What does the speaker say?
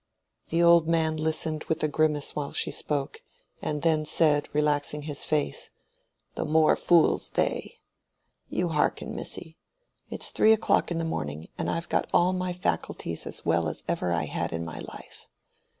The old man listened with a grimace while she spoke, and then said, relaxing his face, "The more fools they. You hearken, missy. It's three o'clock in the morning, and I've got all my faculties as well as ever I had in my life.